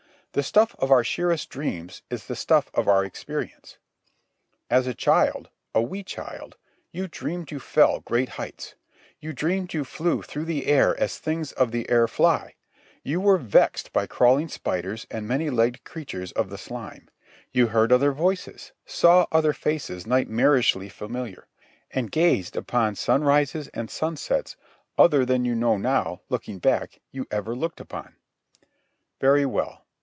The stuff of our sheerest dreams is the stuff of our experience. As a child, a wee child, you dreamed you fell great heights; you dreamed you flew through the air as things of the air fly; you were vexed by crawling spiders and many legged creatures of the slime; you heard other voices, saw other faces nightmarishly familiar, and gazed upon sunrises and sunsets other than you know now, looking back, you ever looked upon. Very well.